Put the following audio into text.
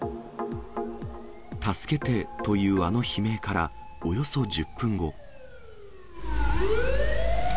助けてというあの悲鳴からおよそ１０分後。